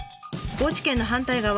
高知県の反対側